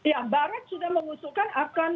ya barat sudah mengusulkan akan